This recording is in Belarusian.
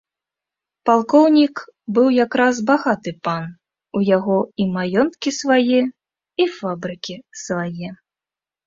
Палкоўнік быў якраз багаты пан, у яго і маёнткі свае, і фабрыкі свае.